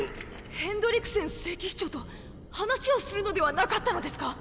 ヘンドリクセン聖騎士長と話をするのではなかったのですか？